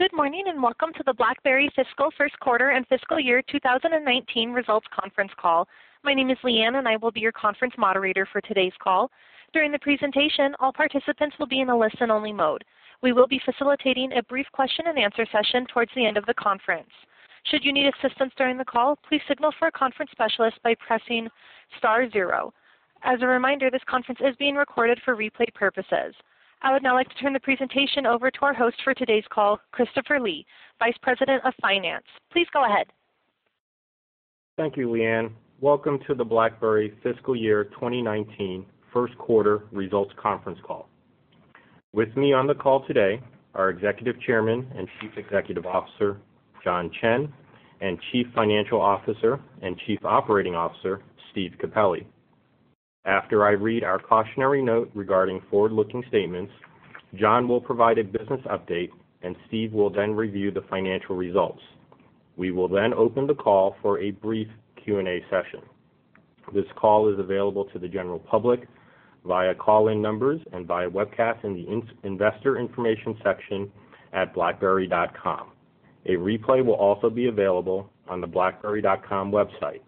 Good morning, and welcome to the BlackBerry fiscal first quarter and fiscal year 2019 results conference call. My name is Leanne, and I will be your conference moderator for today's call. During the presentation, all participants will be in a listen-only mode. We will be facilitating a brief question-and-answer session towards the end of the conference. Should you need assistance during the call, please signal for a conference specialist by pressing star zero. As a reminder, this conference is being recorded for replay purposes. I would now like to turn the presentation over to our host for today's call, Christopher Lee, Vice President of Finance. Please go ahead. Thank you, Leanne. Welcome to the BlackBerry fiscal year 2019 first quarter results conference call. With me on the call today are Executive Chairman and Chief Executive Officer, John Chen, and Chief Financial Officer and Chief Operating Officer, Steve Capelli. After I read our cautionary note regarding forward-looking statements, John will provide a business update, and Steve will then review the financial results. We will then open the call for a brief Q&A session. This call is available to the general public via call-in numbers and via webcast in the Investors information section at blackberry.com. A replay will also be available on the blackberry.com website.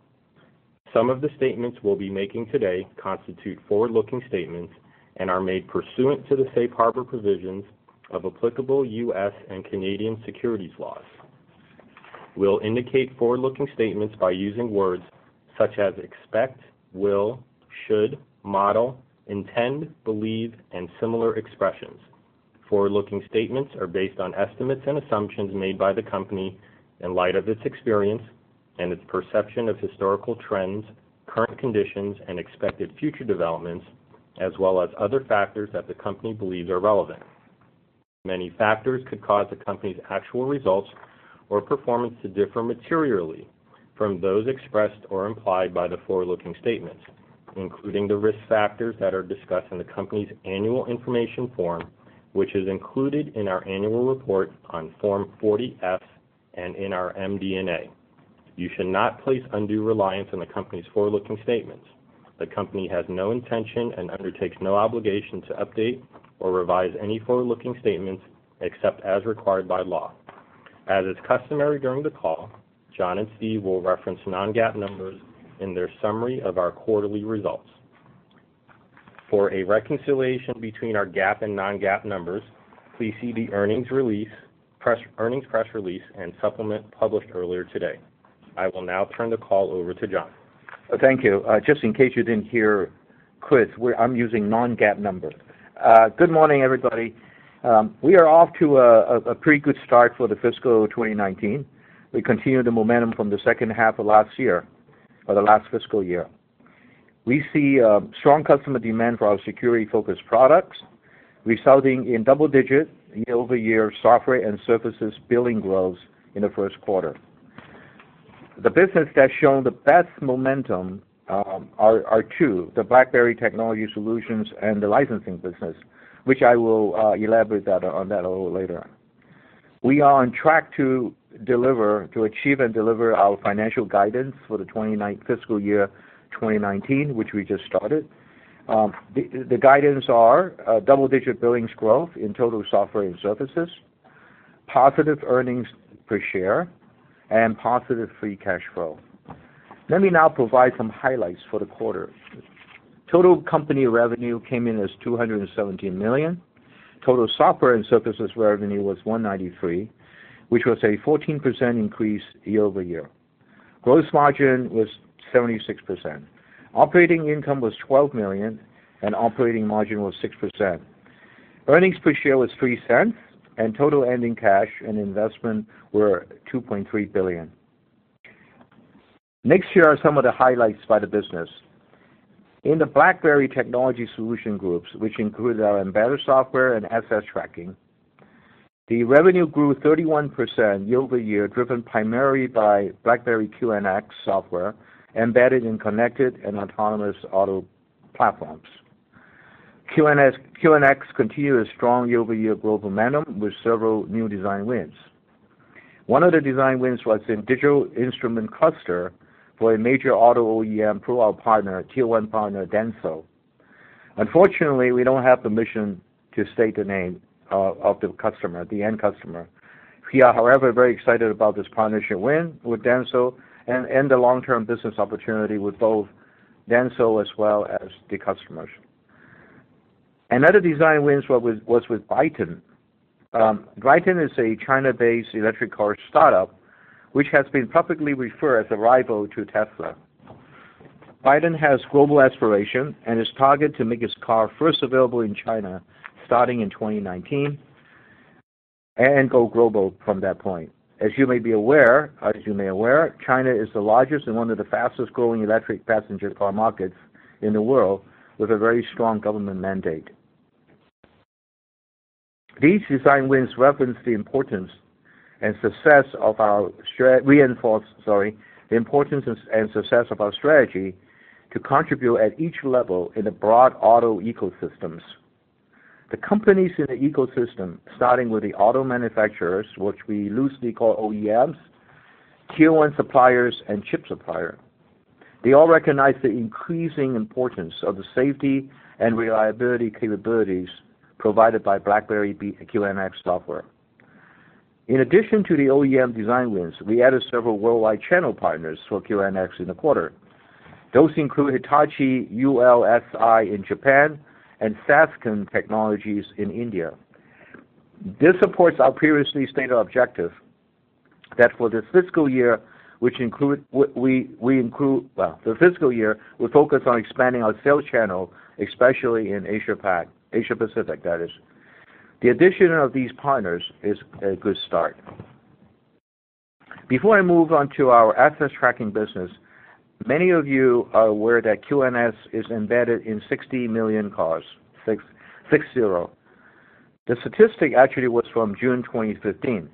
Some of the statements we'll be making today constitute forward-looking statements and are made pursuant to the safe harbor provisions of applicable U.S. and Canadian securities laws. We'll indicate forward-looking statements by using words such as expect, will, should, model, intend, believe, and similar expressions. Forward-looking statements are based on estimates and assumptions made by the company in light of its experience and its perception of historical trends, current conditions, and expected future developments, as well as other factors that the company believes are relevant. Many factors could cause the company's actual results or performance to differ materially from those expressed or implied by the forward-looking statements, including the risk factors that are discussed in the company's annual information form, which is included in our annual report on Form 40-F and in our MD&A. You should not place undue reliance on the company's forward-looking statements. The company has no intention and undertakes no obligation to update or revise any forward-looking statements except as required by law. As is customary during the call, John and Steve will reference non-GAAP numbers in their summary of our quarterly results. For a reconciliation between our GAAP and non-GAAP numbers, please see the earnings press release and supplement published earlier today. I will now turn the call over to John. Thank you. Just in case you didn't hear Chris, I'm using non-GAAP numbers. Good morning, everybody. We are off to a pretty good start for the fiscal 2019. We continue the momentum from the second half of last year or the last fiscal year. We see strong customer demand for our security-focused products, resulting in double-digit year-over-year software and services billing growth in the first quarter. The business that's shown the best momentum are two, the BlackBerry Technology Solutions and the licensing business, which I will elaborate on that a little later on. We are on track to achieve and deliver our financial guidance for the fiscal year 2019, which we just started. The guidance are double-digit billings growth in total software and services, positive earnings per share, and positive free cash flow. Let me now provide some highlights for the quarter. Total company revenue came in as $217 million. Total software and services revenue was $193 million, which was a 14% increase year-over-year. Gross margin was 76%. Operating income was $12 million, and operating margin was 6%. Earnings per share was $0.03, and total ending cash and investment were $2.3 billion. Next here are some of the highlights by the business. In the BlackBerry Technology Solutions, which include our embedded software and asset tracking, the revenue grew 31% year-over-year, driven primarily by BlackBerry QNX software embedded in connected and autonomous auto platforms. QNX continued a strong year-over-year growth momentum with several new design wins. One of the design wins was in digital instrument cluster for a major auto OEM through our partner, tier one partner, Denso. Unfortunately, we don't have the permission to state the name of the customer, the end customer. We are, however, very excited about this partnership win with Denso and the long-term business opportunity with both Denso as well as the customers. Another design win was with Byton. Byton is a China-based electric car startup, which has been publicly referred as a rival to Tesla. Byton has global aspiration and is targeted to make its car first available in China starting in 2019 and go global from that point. As you may be aware, China is the largest and one of the fastest-growing electric passenger car markets in the world with a very strong government mandate. These design wins reinforce the importance and success of our strategy to contribute at each level in the broad auto ecosystems. The companies in the ecosystem, starting with the auto manufacturers, which we loosely call OEMs, Tier one suppliers and chip suppliers. They all recognize the increasing importance of the safety and reliability capabilities provided by BlackBerry QNX software. In addition to the OEM design wins, we added several worldwide channel partners for QNX in the quarter. Those include Hitachi, ULSI in Japan, and Sasken Technologies in India. This supports our previously stated objective, that for this fiscal year, which include what we include. Well, in the fiscal year, we focus on expanding our sales channel, especially in Asia Pacific, that is. The addition of these partners is a good start. Before I move on to our asset tracking business, many of you are aware that QNX is embedded in 60 million cars. The statistic actually was from June 2015.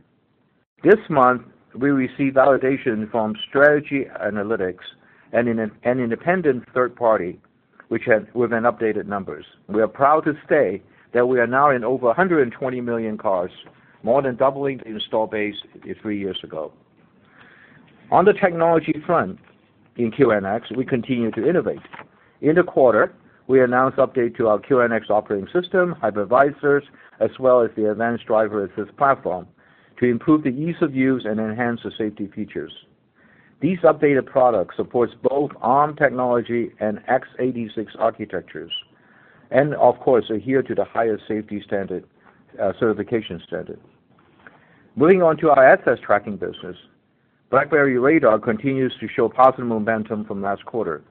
This month, we received validation from Strategy Analytics and an independent third party, which with updated numbers. We are proud to say that we are now in over 120 million cars, more than doubling the install base three years ago. On the technology front in QNX, we continue to innovate. In the quarter, we announced update to our QNX operating system, hypervisors, as well as the advanced driver assist platform to improve the ease of use and enhance the safety features. These updated products supports both Arm technology and x86 architectures, and of course, adhere to the highest safety standard, certification standard. Moving on to our asset tracking business. BlackBerry Radar continues to show positive momentum from last quarter.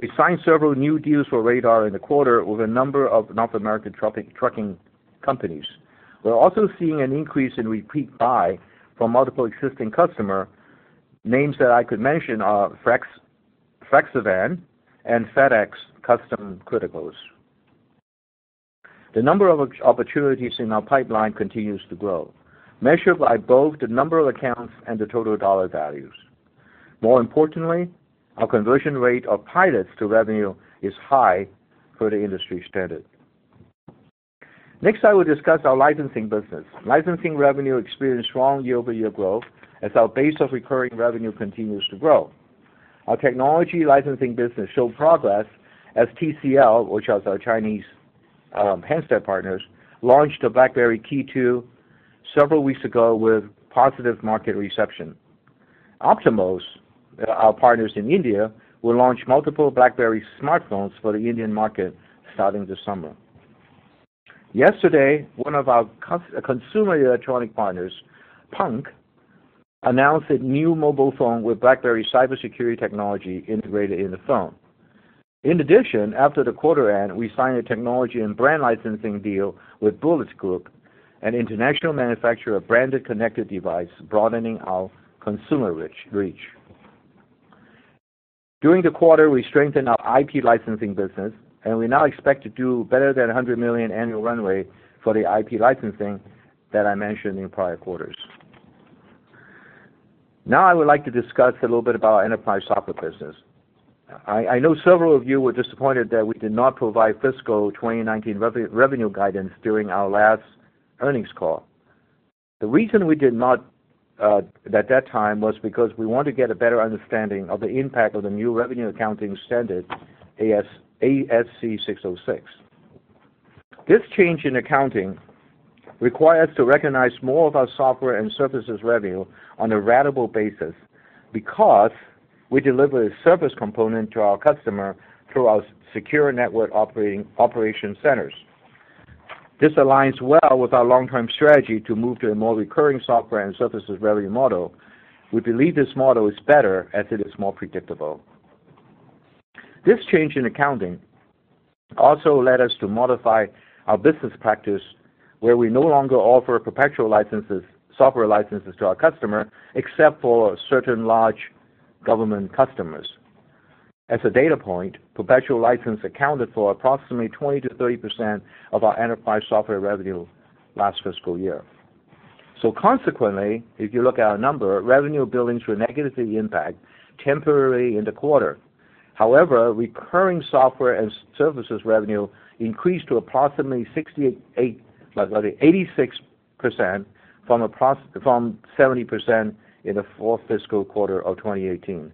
We signed several new deals for Radar in the quarter with a number of North American trucking companies. We're also seeing an increase in repeat buy from multiple existing customer. Names that I could mention are Flexi-Van, and FedEx Custom Critical. The number of opportunities in our pipeline continues to grow, measured by both the number of accounts and the total dollar values. More importantly, our conversion rate of pilots to revenue is high per the industry standard. Next, I will discuss our licensing business. Licensing revenue experienced strong year-over-year growth as our base of recurring revenue continues to grow. Our technology licensing business showed progress as TCL, which is our Chinese handset partners, launched a BlackBerry KEY2 several weeks ago with positive market reception. Optiemus, our partners in India, will launch multiple BlackBerry smartphones for the Indian market starting this summer. Yesterday, one of our consumer electronic partners, Punkt, announced a new mobile phone with BlackBerry cybersecurity technology integrated in the phone. In addition, after the quarter end, we signed a technology and brand licensing deal with Bullitt Group, an international manufacturer of branded connected device broadening our consumer reach. During the quarter, we strengthened our IP licensing business, and we now expect to do better than $100 million annual run rate for the IP licensing that I mentioned in prior quarters. Now, I would like to discuss a little bit about our enterprise software business. I know several of you were disappointed that we did not provide fiscal 2019 revenue guidance during our last earnings call. The reason we did not at that time was because we want to get a better understanding of the impact of the new revenue accounting standard ASC 606. This change in accounting require us to recognize more of our software and services revenue on a ratable basis because we deliver a service component to our customer through our secure network operation centers. This aligns well with our long-term strategy to move to a more recurring software and services revenue model. We believe this model is better as it is more predictable. This change in accounting also led us to modify our business practice where we no longer offer perpetual software licenses to our customer, except for certain large government customers. As a data point, perpetual license accounted for approximately 20%-30% of our enterprise software revenue last fiscal year. Consequently, if you look at our number, revenue billings were negatively impacted temporarily in the quarter. However, recurring software and services revenue increased to approximately 86% from 70% in the fourth fiscal quarter of 2018.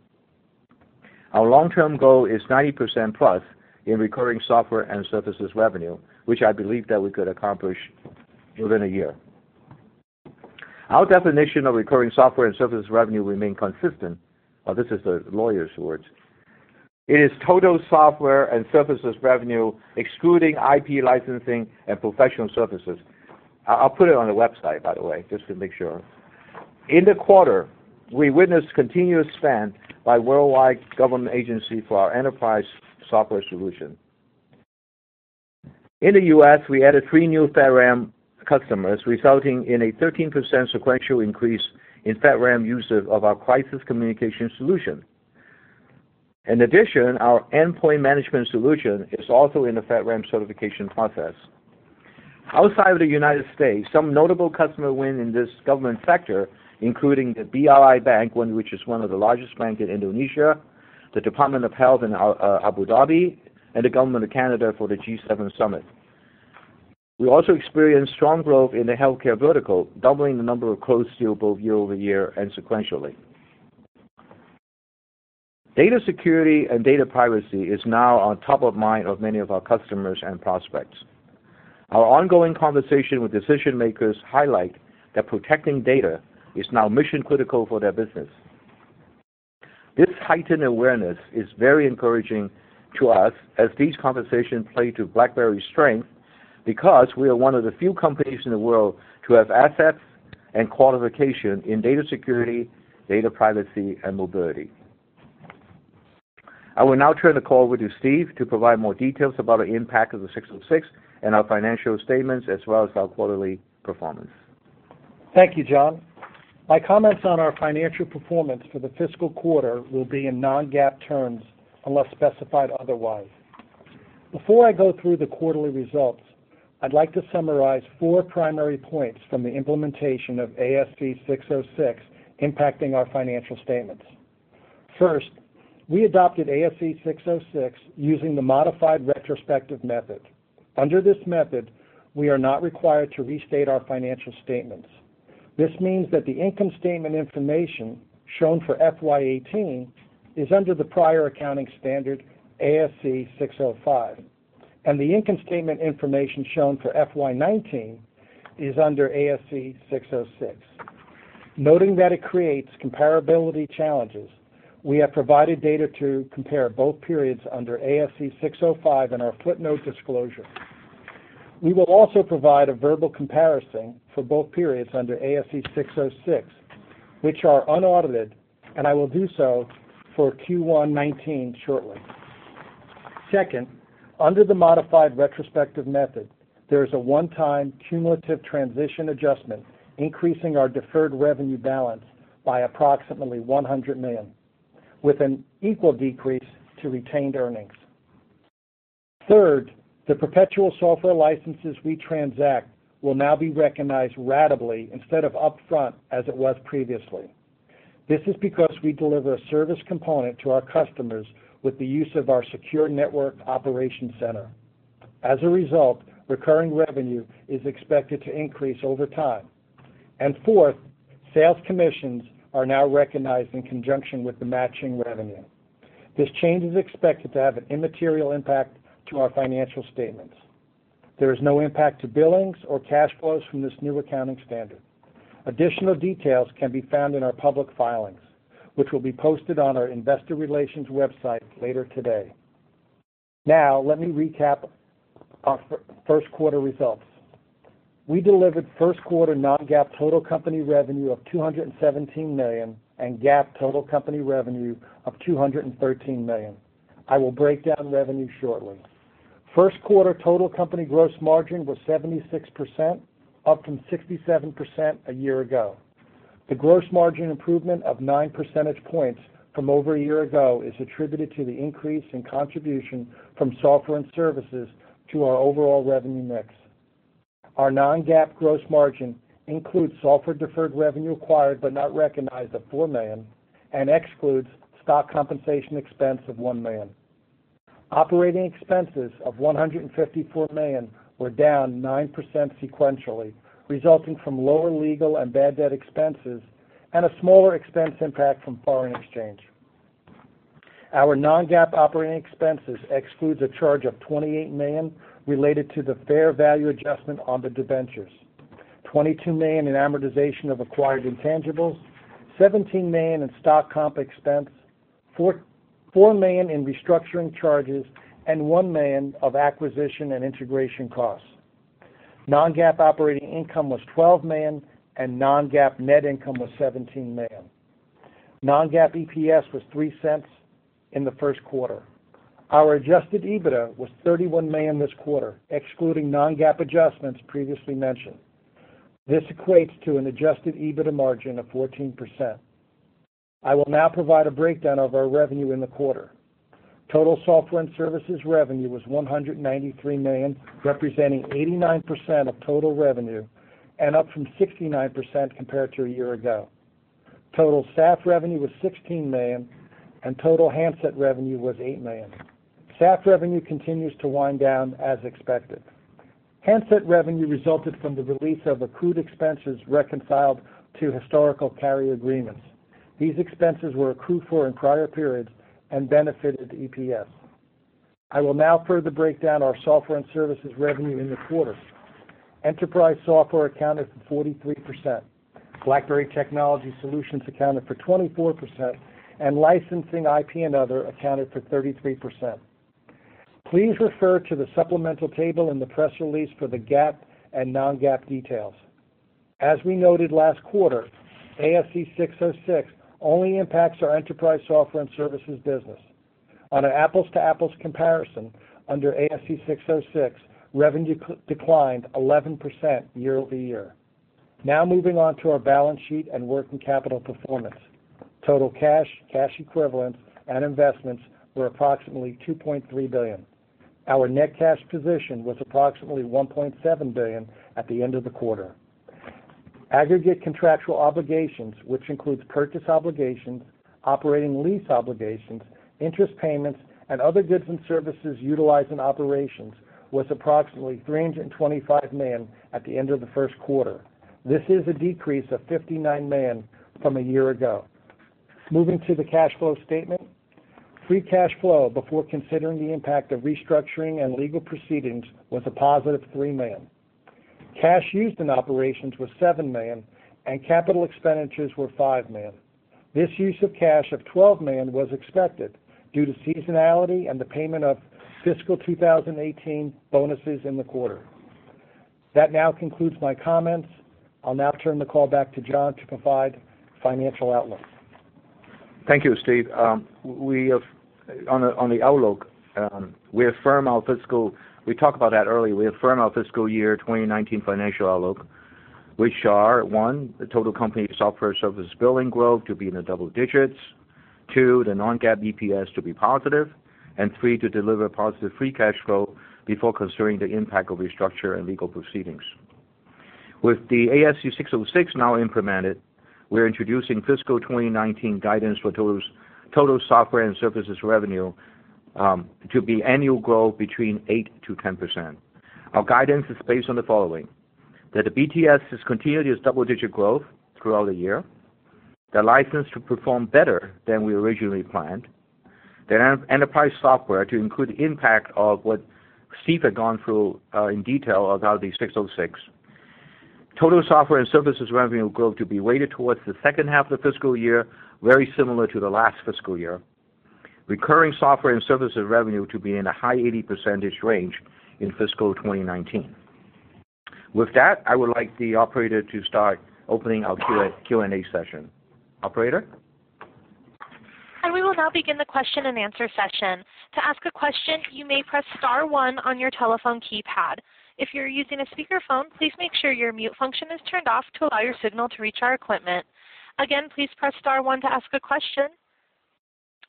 Our long-term goal is 90%+ in recurring software and services revenue, which I believe that we could accomplish within a year. Our definition of recurring software and services revenue remain consistent. This is the lawyer's words. It is total software and services revenue excluding IP licensing and professional services. I'll put it on the website, by the way, just to make sure. In the quarter, we witnessed continuous spend by worldwide government agency for our enterprise software solution. In the U.S., we added three new FedRAMP customers, resulting in a 13% sequential increase in FedRAMP users of our crisis communication solution. In addition, our endpoint management solution is also in the FedRAMP certification process. Outside of the United States, some notable customer win in this government sector, including the Bank BRI, which is one of the largest banks in Indonesia, the Department of Health in Abu Dhabi, and the government of Canada for the G7 summit. We also experienced strong growth in the healthcare vertical, doubling the number of closed deal both year-over-year and sequentially. Data security and data privacy is now on top of mind of many of our customers and prospects. Our ongoing conversation with decision-makers highlight that protecting data is now mission-critical for their business. This heightened awareness is very encouraging to us as these conversations play to BlackBerry's strength, because we are one of the few companies in the world to have assets and qualification in data security, data privacy, and mobility. I will now turn the call over to Steve to provide more details about the impact of the 606 and our financial statements, as well as our quarterly performance. Thank you, John. My comments on our financial performance for the fiscal quarter will be in non-GAAP terms unless specified otherwise. Before I go through the quarterly results, I'd like to summarize four primary points from the implementation of ASC 606 impacting our financial statements. First, we adopted ASC 606 using the modified retrospective method. Under this method, we are not required to restate our financial statements. This means that the income statement information shown for FY 2018 is under the prior accounting standard, ASC 605, and the income statement information shown for FY 2019 is under ASC 606. Noting that it creates comparability challenges, we have provided data to compare both periods under ASC 605 in our footnote disclosure. We will also provide a verbal comparison for both periods under ASC 606, which are unaudited, and I will do so for Q1 2019 shortly. Second, under the modified retrospective method, there is a one-time cumulative transition adjustment, increasing our deferred revenue balance by approximately $100 million, with an equal decrease to retained earnings. Third, the perpetual software licenses we transact will now be recognized ratably instead of upfront as it was previously. This is because we deliver a service component to our customers with the use of our secure network operation center. As a result, recurring revenue is expected to increase over time. Fourth, sales commissions are now recognized in conjunction with the matching revenue. This change is expected to have an immaterial impact to our financial statements. There is no impact to billings or cash flows from this new accounting standard. Additional details can be found in our public filings, which will be posted on our investor relations website later today. Now let me recap our first quarter results. We delivered first quarter non-GAAP total company revenue of $217 million and GAAP total company revenue of $213 million. I will break down revenue shortly. First quarter total company gross margin was 76%, up from 67% a year ago. The gross margin improvement of 9 percentage points from over a year ago is attributed to the increase in contribution from software and services to our overall revenue mix. Our non-GAAP gross margin includes software deferred revenue acquired but not recognized of $4 million and excludes stock compensation expense of $1 million. Operating expenses of $154 million were down 9% sequentially, resulting from lower legal and bad debt expenses and a smaller expense impact from foreign exchange. Our non-GAAP operating expenses excludes a charge of $28 million related to the fair value adjustment on the debentures, $22 million in amortization of acquired intangibles, $17 million in stock comp expense, four million in restructuring charges, and $1 million of acquisition and integration costs. Non-GAAP operating income was $12 million, and non-GAAP net income was $17 million. Non-GAAP EPS was $0.03 in the first quarter. Our adjusted EBITDA was $31 million this quarter, excluding non-GAAP adjustments previously mentioned. This equates to an adjusted EBITDA margin of 14%. I will now provide a breakdown of our revenue in the quarter. Total software and services revenue was $193 million, representing 89% of total revenue and up from 69% compared to a year ago. Total SAF revenue was $16 million, and total handset revenue was $8 million. SAF revenue continues to wind down as expected. Handset revenue resulted from the release of accrued expenses reconciled to historical carrier agreements. These expenses were accrued for in prior periods and benefited EPS. I will now further break down our software and services revenue in the quarter. Enterprise software accounted for 43%. BlackBerry Technology Solutions accounted for 24%, and licensing, IP, and other accounted for 33%. Please refer to the supplemental table in the press release for the GAAP and non-GAAP details. As we noted last quarter, ASC 606 only impacts our enterprise software and services business. On an apples-to-apples comparison under ASC 606, revenue declined 11% year-over-year. Now moving on to our balance sheet and working capital performance. Total cash equivalents, and investments were approximately $2.3 billion. Our net cash position was approximately $1.7 billion at the end of the quarter. Aggregate contractual obligations, which includes purchase obligations, operating lease obligations, interest payments, and other goods and services utilized in operations, was approximately $325 million at the end of the first quarter. This is a decrease of $59 million from a year ago. Moving to the cash flow statement. Free cash flow before considering the impact of restructuring and legal proceedings was a positive $3 million. Cash used in operations was $7 million, and capital expenditures were $5 million. This use of cash of $12 million was expected due to seasonality and the payment of fiscal 2018 bonuses in the quarter. That now concludes my comments. I'll now turn the call back to John to provide financial outlook. Thank you, Steve. We talked about that earlier. We affirm our fiscal year 2019 financial outlook, which are one, the total company software and services billing growth to be in the double digits. Two, the non-GAAP EPS to be positive. And three, to deliver positive free cash flow before considering the impact of restructuring and legal proceedings. With the ASC 606 now implemented, we're introducing fiscal 2019 guidance for total software and services revenue to be annual growth between 8%-10%. Our guidance is based on the following that the BTS has continued its double-digit growth throughout the year, the licensing to perform better than we originally planned, the Enterprise software to include impact of what Steve had gone through in detail about the 606. Total software and services revenue growth to be weighted towards the second half of the fiscal year, very similar to the last fiscal year. Recurring software and services revenue to be in a high 80% range in fiscal 2019. With that, I would like the operator to start opening our Q&A session. Operator? We will now begin the question-and-answer session. To ask a question, you may press star one on your telephone keypad. If you're using a speakerphone, please make sure your mute function is turned off to allow your signal to reach our equipment. Again, please press star one to ask a question.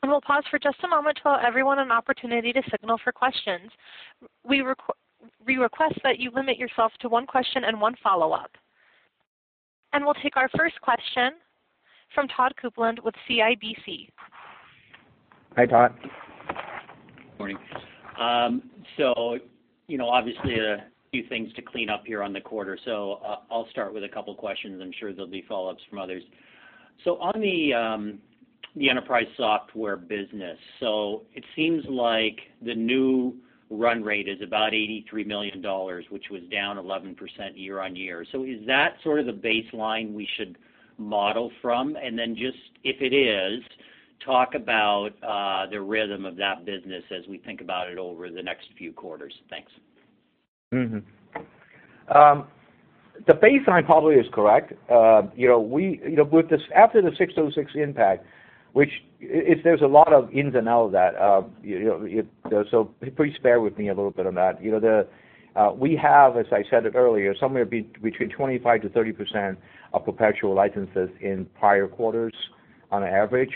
We'll pause for just a moment to allow everyone an opportunity to signal for questions. We request that you limit yourself to one question and one follow-up. We'll take our first question from Todd Coupland with CIBC. Hi, Todd. Morning. You know, obviously a few things to clean up here on the quarter, so I'll start with a couple questions. I'm sure there'll be follow-ups from others. On the enterprise software business, it seems like the new run rate is about $83 million, which was down 11% year-over-year. Is that sort of the baseline we should model from? Then just, if it is, talk about the rhythm of that business as we think about it over the next few quarters. Thanks. The baseline probably is correct. You know, after the ASC 606 impact, which is there's a lot of ins and outs of that. You know, please bear with me a little bit on that. You know, we have, as I said earlier, somewhere between 25%-30% of perpetual licenses in prior quarters on average.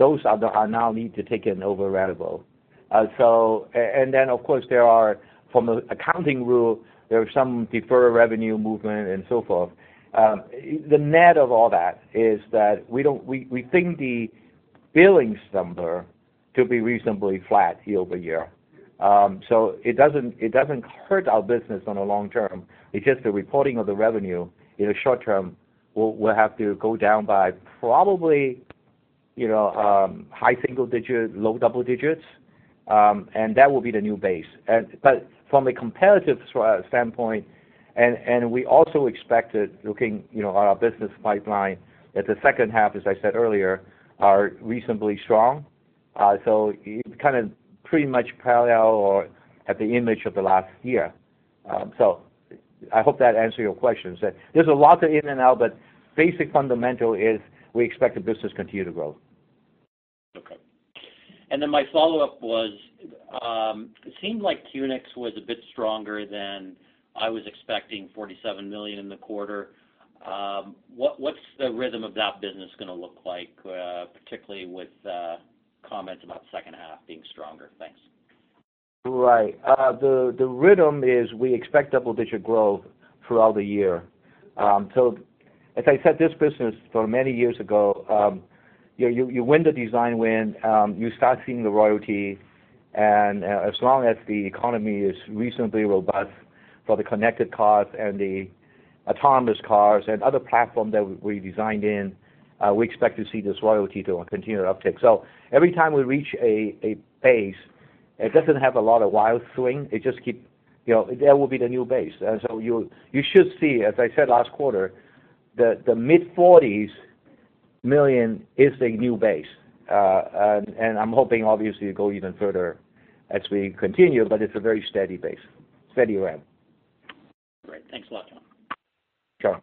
Those now need to be taken ratably. And then of course there are from an accounting rule some deferred revenue movements and so forth. The net of all that is that we think the billing number to be reasonably flat year-over-year. It doesn't hurt our business on a long-term. It's just the reporting of the revenue in a short term will have to go down by probably, you know, high single digits, low double digits, and that will be the new base. But from a competitive standpoint and we also expected looking, you know, our business pipeline that the second half, as I said earlier, are reasonably strong. It kind of pretty much parallels or at the image of the last year. I hope that answered your question. There's a lot of in and out, but basic fundamental is we expect the business to continue to grow. Okay. My follow-up was, it seemed like QNX was a bit stronger than I was expecting, $47 million in the quarter. What's the rhythm of that business gonna look like, particularly with comments about second half being stronger? Thanks. Right. The rhythm is we expect double-digit growth throughout the year. As I said, this business for many years ago, you win the design win, you start seeing the royalty and as long as the economy is reasonably robust for the connected cars and the autonomous cars and other platform that we designed in, we expect to see this royalty to continue to uptick. Every time we reach a base, it doesn't have a lot of wild swing. It just keep, you know, that will be the new base. You should see, as I said last quarter, the mid-$40s million is the new base. I'm hoping obviously to go even further as we continue, but it's a very steady base, steady ramp. Great. Thanks a lot, John. Sure.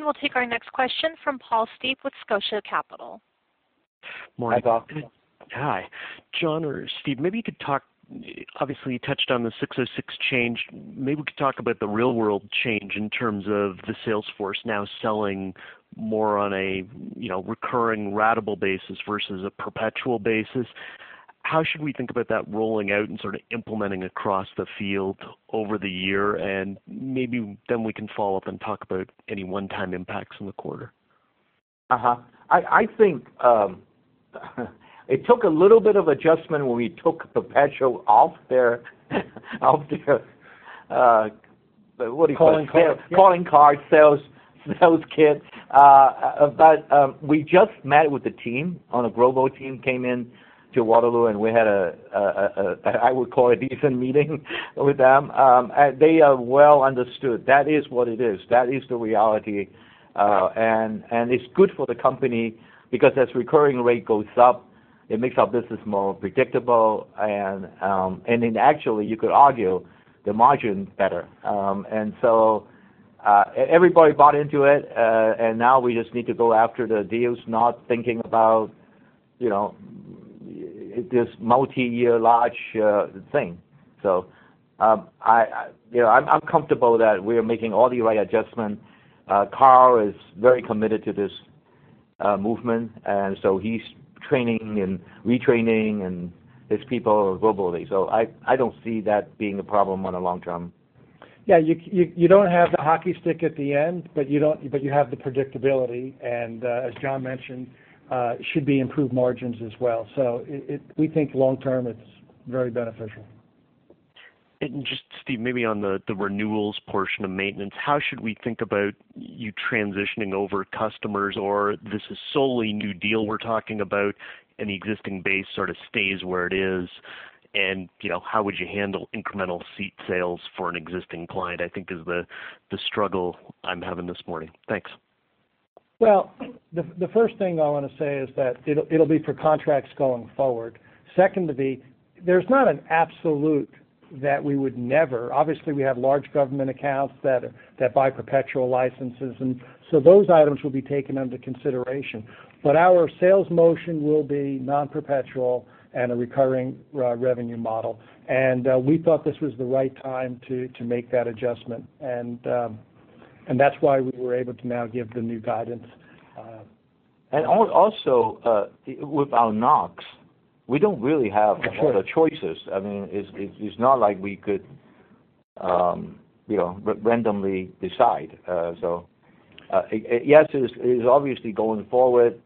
We'll take our next question from Paul Steep with Scotia Capital. Hi, Paul. Hi. John or Steve, maybe you could talk. Obviously, you touched on the ASC 606 change. Maybe we could talk about the real world change in terms of the sales force now selling more on a, you know, recurring ratable basis versus a perpetual basis. How should we think about that rolling out and sort of implementing across the field over the year? Maybe then we can follow up and talk about any one-time impacts in the quarter. I think it took a little bit of adjustment when we took perpetual off their what do you call it? Calling card. Calling card sales kit. We just met with a global team that came in to Waterloo, and we had what I would call a decent meeting with them. They have well understood. That is what it is. That is the reality. It's good for the company because as recurring rate goes up, it makes our business more predictable. Actually you could argue the margin better. Everybody bought into it, and now we just need to go after the deals, not thinking about, you know, this multi-year large thing. I, you know, I'm comfortable that we are making all the right adjustments. Carl is very committed to this movement, and so he's training and retraining his people globally. I don't see that being a problem on a long term. Yeah, you don't have the hockey stick at the end, but you have the predictability, and as John mentioned, should be improved margins as well. We think long term, it's very beneficial. Just, Steve, maybe on the renewals portion of maintenance, how should we think about you transitioning over customers? This is solely new deal we're talking about, and the existing base sort of stays where it is. You know, how would you handle incremental seat sales for an existing client, I think is the struggle I'm having this morning. Thanks. Well, the first thing I want to say is that it'll be for contracts going forward. Second, there's not an absolute that we would never. Obviously, we have large government accounts that buy perpetual licenses, and so those items will be taken under consideration. Our sales motion will be non-perpetual and a recurring revenue model. We thought this was the right time to make that adjustment. That's why we were able to now give the new guidance. Also, with our QNX, we don't really have a lot of choices. I mean, it's not like we could, you know, randomly decide. Yes, it is obviously going forward.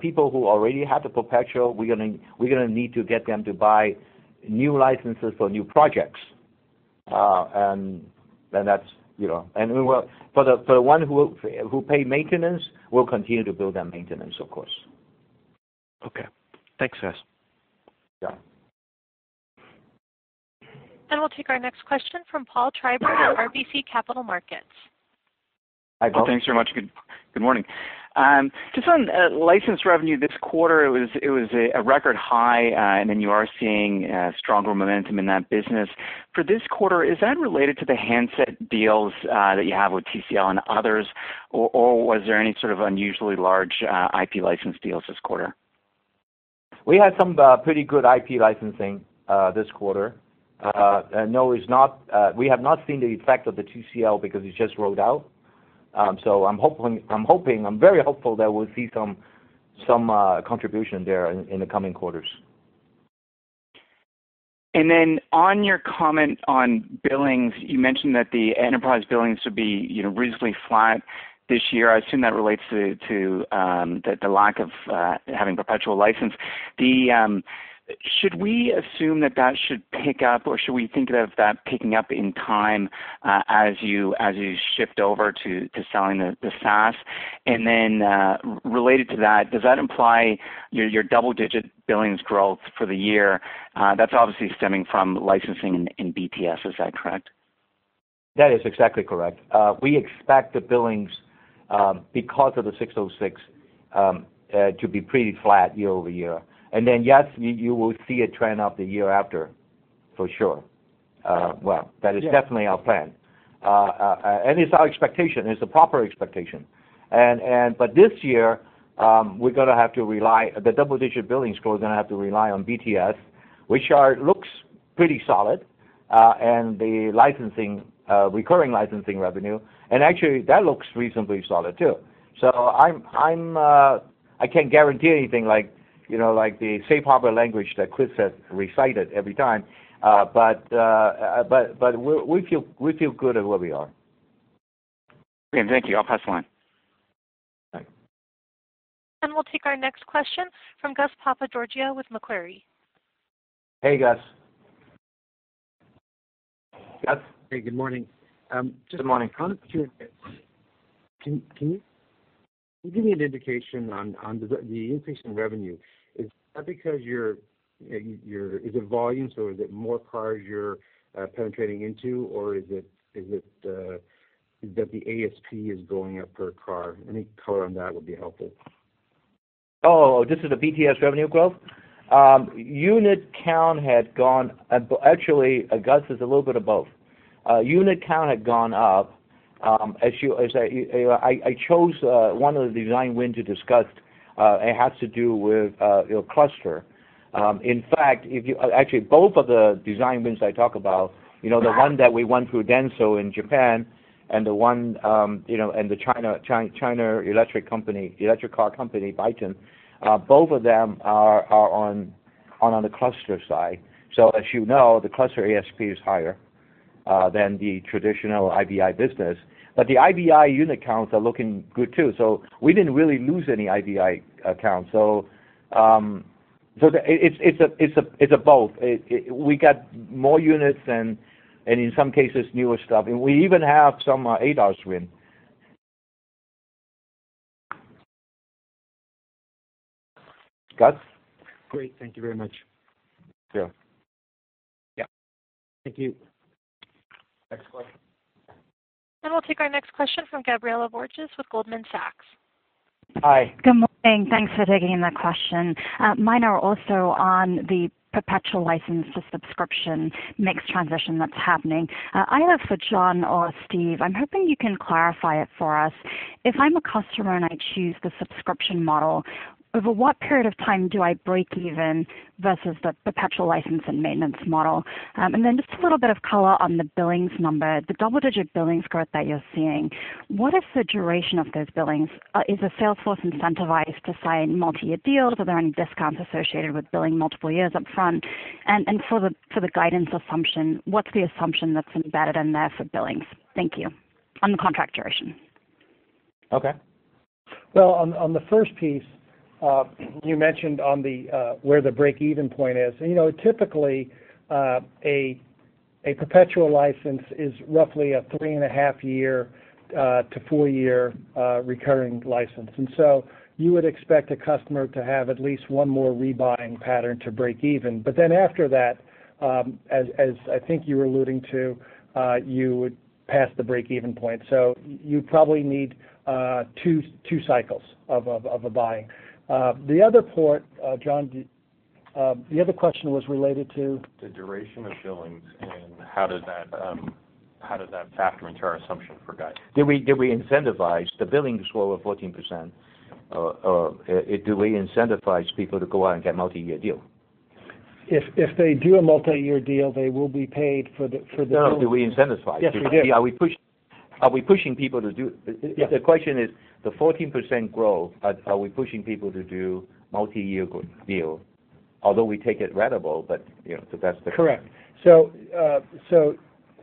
People who already have the perpetual, we're gonna need to get them to buy new licenses for new projects, and that's, you know. For the one who pay maintenance, we'll continue to bill that maintenance, of course. Okay. Thanks, guys. Yeah. We'll take our next question from Paul Treiber at RBC Capital Markets. Hi, Paul. Thanks very much. Good morning. Just on license revenue this quarter, it was a record high, and then you are seeing stronger momentum in that business. For this quarter, is that related to the handset deals that you have with TCL and others? Or was there any sort of unusually large IP license deals this quarter? We had some pretty good IP licensing this quarter. No, it's not. We have not seen the effect of the TCL because it just rolled out. I'm hoping. I'm very hopeful that we'll see some contribution there in the coming quarters. On your comment on billings, you mentioned that the enterprise billings would be, you know, reasonably flat this year. I assume that relates to the lack of having perpetual license. Should we assume that should pick up, or should we think of that picking up in time, as you shift over to selling the SaaS? Related to that, does that imply your double-digit billings growth for the year? That's obviously stemming from licensing in BTS. Is that correct? That is exactly correct. We expect the billings, because of ASC 606, to be pretty flat year-over-year. Yes, you will see a trend of the year after for sure. Well, that is definitely our plan. It's our expectation. It's a proper expectation. But this year, the double-digit billings growth gonna have to rely on BTS, which looks pretty solid, and the licensing recurring licensing revenue, and actually, that looks reasonably solid too. I can't guarantee anything like, you know, like the safe harbor language that Chris has recited every time, but we feel good about where we are. Okay. Thank you. I'll pass the line. Thanks. We'll take our next question from Gus Papageorgiou with Macquarie. Hey, Gus. Hey, good morning. Good morning. Can you give me an indication on the increase in revenue? Is that because is it volume, so is it more cars you're penetrating into? Or is it that the ASP is going up per car? Any color on that would be helpful. This is the BTS revenue growth. Unit count had gone up. Actually, Gus, it's a little bit of both. Unit count had gone up. As I chose one of the design win to discuss, it has to do with, you know, cluster. Actually, both of the design wins I talk about, you know, the one that we won through Denso in Japan and the one, you know, and the China electric car company, Byton, both of them are on the cluster side. As you know, the cluster ASP is higher than the traditional IVI business. The IVI unit counts are looking good too. We didn't really lose any IVI accounts. It's a both. We got more units and in some cases newer stuff. We even have some ADAS win. Gus? Great. Thank you very much. Sure. Yeah. Thank you. Next question. We'll take our next question from Gabriela Borges with Goldman Sachs. Hi. Good morning. Thanks for taking the question. Mine are also on the perpetual license to subscription mix transition that's happening. I have for John or Steve, I'm hoping you can clarify it for us. If I'm a customer and I choose the subscription model, over what period of time do I break even versus the perpetual license and maintenance model? And then just a little bit of color on the billings number, the double-digit billings growth that you're seeing, what is the duration of those billings? Is the sales force incentivized to sign multi-year deals? Are there any discounts associated with billing multiple years upfront? And for the guidance assumption, what's the assumption that's embedded in there for billings? Thank you. On the contract duration. Okay. Well, on the first piece, you mentioned where the break-even point is. You know, typically, a perpetual license is roughly a three and a half-year to four-year recurring license. You would expect a customer to have at least one more rebuying pattern to break even. After that, as I think you were alluding to, you would pass the break-even point. You'd probably need two cycles of a buying. The other part, John. The other question was related to? The duration of billings and how does that factor into our assumption for guidance? Do we incentivize the billings? We're over 14%. Do we incentivize people to go out and get multi-year deal? If they do a multi-year deal, they will be paid for the full. No. Do we incentivize? Yes, we do. Are we pushing people to do. Yes. The question is the 14% growth, are we pushing people to do multi-year deal, although we take it ratable, but, you know, so that's the. Correct.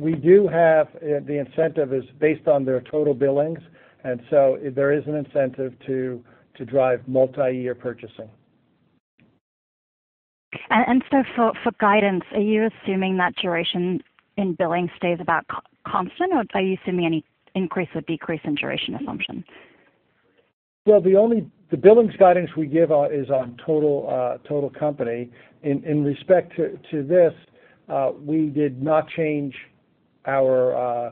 We do have the incentive is based on their total billings, and there is an incentive to drive multi-year purchasing. For guidance, are you assuming that duration in billing stays about constant or are you assuming any increase or decrease in duration assumption? Well, the billings guidance we give is on total company. In respect to this, we did not change our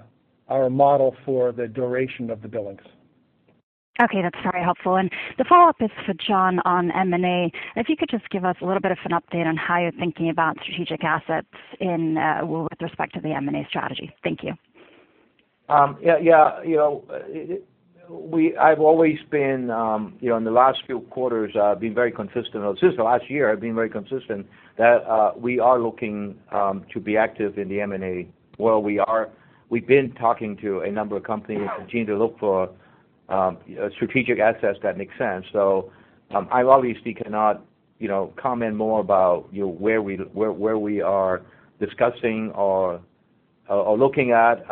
model for the duration of the billings. Okay. That's very helpful. The follow-up is for John on M&A. If you could just give us a little bit of an update on how you're thinking about strategic assets in, with respect to the M&A strategy. Thank you. Yeah, you know, I've always been, you know, in the last few quarters, been very consistent. Since the last year, I've been very consistent that we are looking to be active in the M&A. We've been talking to a number of companies, continue to look for strategic assets that make sense. I obviously cannot, you know, comment more about, you know, where we are discussing or looking at.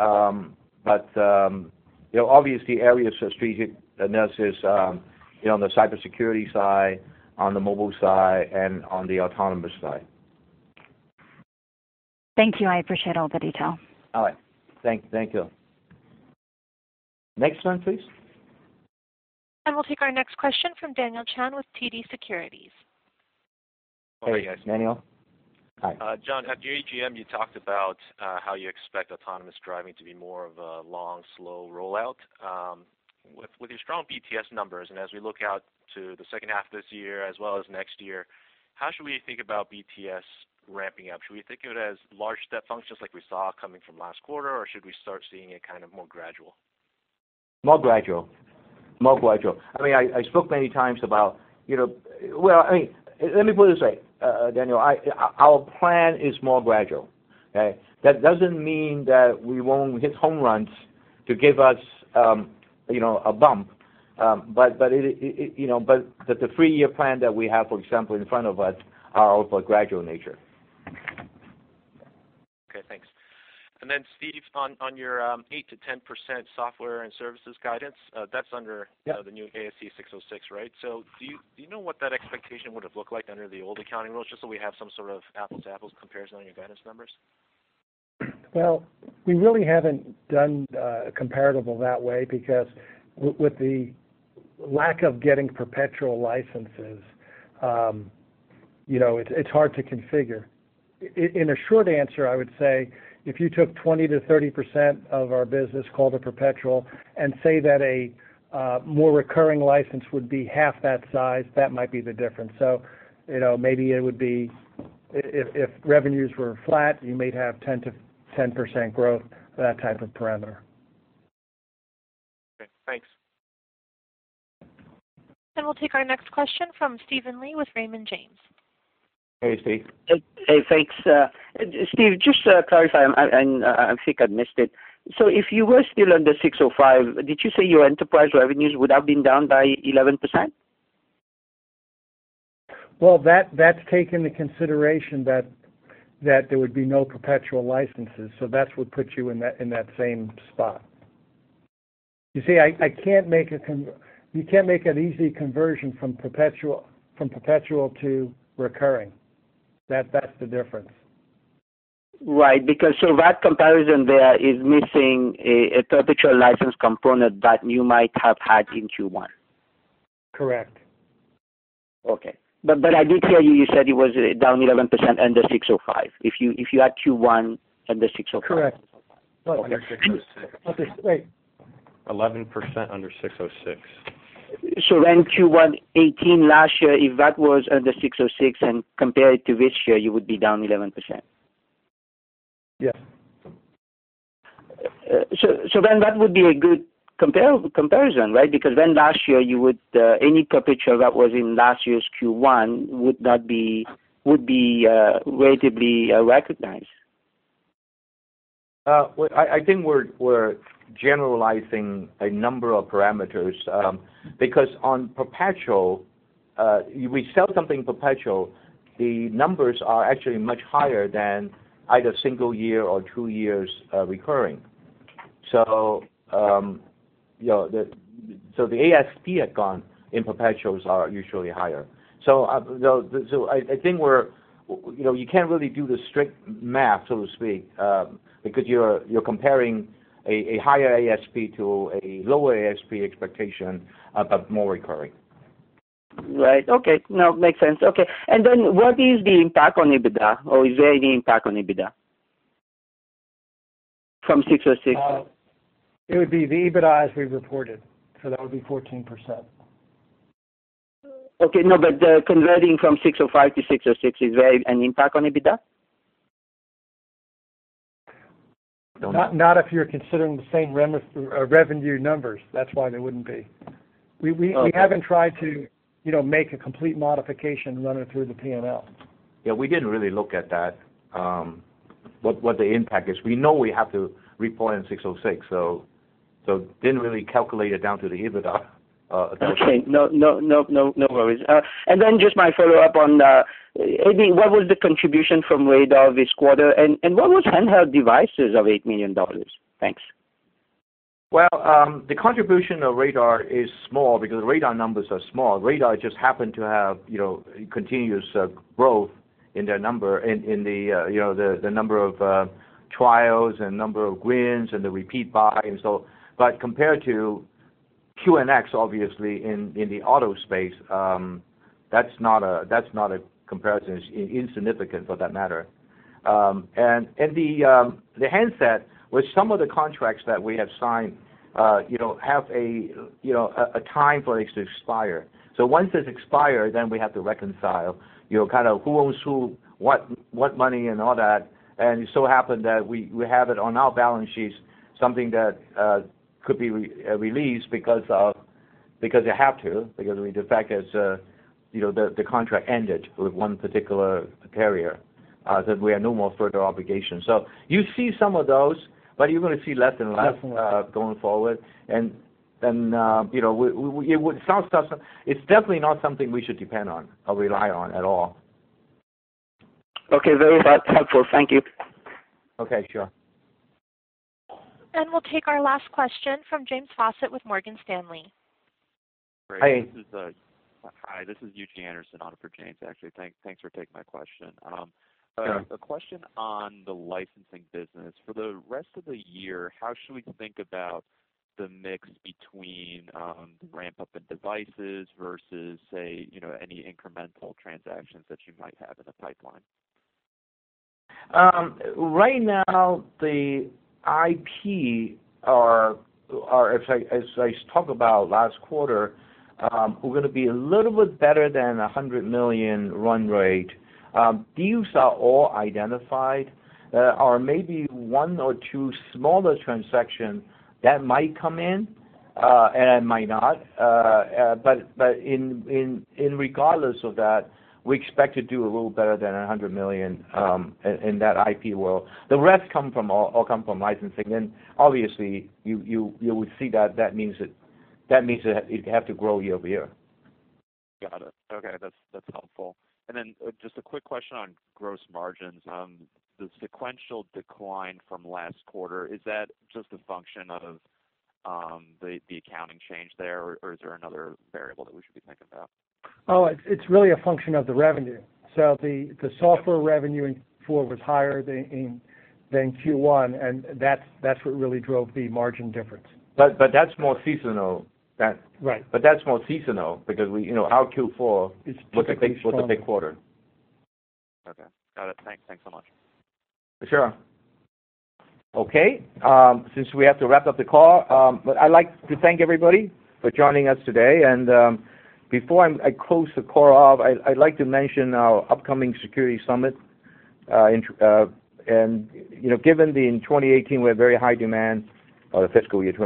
You know, obviously areas of strategic interests, you know, on the cybersecurity side, on the mobile side and on the autonomous side. Thank you. I appreciate all the detail. All right. Thank you. Next one, please. We'll take our next question from Daniel Chan with TD Securities. Hey, Daniel. Hi. John, at the AGM, you talked about how you expect autonomous driving to be more of a long, slow rollout. With your strong BTS numbers, and as we look out to the second half of this year as well as next year, how should we think about BTS ramping up? Should we think of it as large step functions like we saw coming from last quarter, or should we start seeing it kind of more gradual? More gradual. I mean, I spoke many times about, you know. Well, I mean, let me put it this way, Daniel. Our plan is more gradual. Okay? That doesn't mean that we won't hit home runs to give us, you know, a bump. The three-year plan that we have, for example, in front of us are of a gradual nature. Okay, thanks. Steve, on your 8%-10% software and services guidance, that's under the new ASC 606, right? Do you know what that expectation would have looked like under the old accounting rules, just so we have some sort of apples-to-apples comparison on your guidance numbers? Well, we really haven't done a comparable that way because with the lack of getting perpetual licenses, you know, it's hard to configure. In a short answer, I would say if you took 20%-30% of our business called a perpetual and say that a more recurring license would be half that size, that might be the difference. You know, maybe it would be if revenues were flat, you may have 10%-10% growth, that type of parameter. Okay, thanks. We'll take our next question from Steven Li with Raymond James. Hey, Steve. Hey, thanks. Steve, just to clarify, and I think I missed it. If you were still under ASC 605, did you say your enterprise revenues would have been down by 11%? Well, that's taken into consideration that there would be no perpetual licenses, so that's what puts you in that same spot. You see, you can't make an easy conversion from perpetual to recurring. That's the difference. Right, because that comparison there is missing a perpetual license component that you might have had in Q1. Correct. Okay. I did hear you. You said it was down 11% under ASC 605. If you had Q1 under ASC 605. Correct. Well, under 606. Okay, wait. 11% under 606. Q1 2018 last year, if that was under 606 and compare it to this year, you would be down 11%. Yes. That would be a good comparison, right? Because then last year you would any perpetual that was in last year's Q1 would be relatively recognized. I think we're generalizing a number of parameters because in perpetual, if we sell something perpetual, the numbers are actually much higher than either single year or two years recurring. You know, the ASPs in perpetuals are usually higher. You know, you can't really do the strict math, so to speak, because you're comparing a higher ASP to a lower ASP expectation of more recurring. Right. Okay. No, makes sense. Okay. What is the impact on EBITDA or is there any impact on EBITDA from 606? It would be the EBITDA as we've reported, so that would be 14%. Okay. No, converting from ASC 605 to ASC 606, is there any impact on EBITDA? Not if you're considering the same revenue numbers. That's why there wouldn't be. Okay. We haven't tried to, you know, make a complete modification running through the P&L. Yeah, we didn't really look at that, what the impact is. We know we have to report in 606, so didn't really calculate it down to the EBITDA, attention. Okay. No worries. Just my follow-up on adding, what was the contribution from Radar this quarter, and what was handheld devices of $8 million? Thanks. Well, the contribution of radar is small because the radar numbers are small. Radar just happened to have, you know, continuous growth in their number, in the, you know, the number of trials and number of wins and the repeat buy and so. Compared to QNX, obviously in the auto space, that's not a comparison. It's insignificant for that matter. And the handset with some of the contracts that we have signed, you know, have a, you know, a time for it to expire. Once it's expired, then we have to reconcile, you know, kind of who owns who, what money and all that. It so happened that we have it on our balance sheets, something that could be released because the fact is, you know, the contract ended with one particular carrier that we have no more further obligations. You see some of those, but you're gonna see less and less going forward. It's definitely not something we should depend on or rely on at all. Okay. Very helpful. Thank you. Okay, sure. We'll take our last question from James Faucette with Morgan Stanley. Hi. Hi, this is Yuuji Anderson on for James, actually. Thanks for taking my question. Sure. A question on the licensing business. For the rest of the year, how should we think about the mix between, ramp-up in devices versus, say, you know, any incremental transactions that you might have in the pipeline? Right now the IP are as I talk about last quarter, we're gonna be a little bit better than $100 million run rate. Deals are all identified, or maybe one or two smaller transaction that might come in and might not. But irregardless of that, we expect to do a little bit better than $100 million in that IP world. The rest all come from licensing then. Obviously, you would see that that means that it have to grow year-over-year. Got it. Okay. That's helpful. Just a quick question on gross margins. The sequential decline from last quarter, is that just a function of the accounting change there or is there another variable that we should be thinking about? Oh, it's really a function of the revenue. The software revenue in Q4 was higher than in Q1, and that's what really drove the margin difference. That's more seasonal. Right. That's more seasonal because we, you know, our Q4. Is typically strong. Was a big quarter. Okay. Got it. Thanks. Thanks so much. Sure. Okay. Since we have to wrap up the call, but I'd like to thank everybody for joining us today. Before I close the call off, I'd like to mention our upcoming Security Summit. You know, given that in 2018 we had very high demand for attendance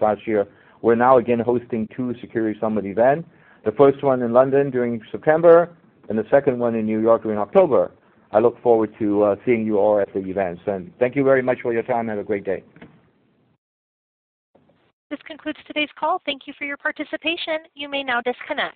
last year. We're now again hosting two Security Summit events, the first one in London during September and the second one in New York during October. I look forward to seeing you all at the events. Thank you very much for your time. Have a great day. This concludes today's call. Thank you for your participation. You may now disconnect.